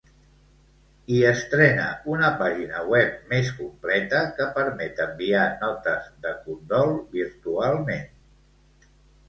I estrena una pàgina web més completa que permet enviar notes de condol virtualment.